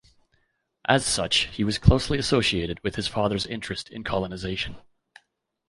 As such, he was closely associated with his father's interest in colonisation.